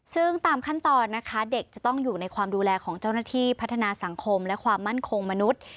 ซึ่งตามขั้นตอนนะคะเด็กจะต้องอยู่ในความดูแลของเจ้าหน้าที่พัฒนาสังคมและความมั่นคงมนุษย์